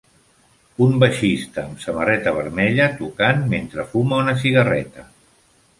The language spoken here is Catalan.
Un baixista amb samarreta vermella tocant mentre fuma una cigarreta.